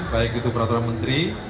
baik itu peraturan menteri